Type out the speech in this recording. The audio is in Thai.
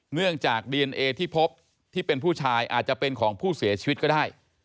เนื่องจากดีเอนเอที่พบที่เป็นผู้ชายอาจจะเป็นของผู้เสียชีวิตก็ได้